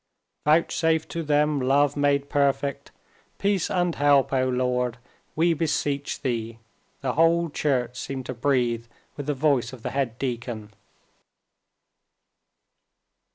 "Vouchsafe to them love made perfect, peace and help, O Lord, we beseech Thee," the whole church seemed to breathe with the voice of the head deacon.